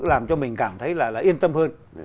làm cho mình cảm thấy yên tâm hơn